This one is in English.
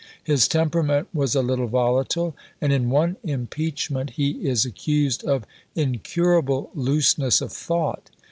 His temperament was a little volatile, and in one impeachment he is accused of "incurable looseness of thought."